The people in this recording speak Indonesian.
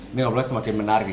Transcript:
ini semakin menarik